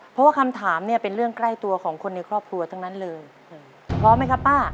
เพราะว่าคำถามเนี่ยเป็นเรื่องใกล้ตัวของคนในครอบครัวทั้งนั้นเลยพร้อมไหมครับป้า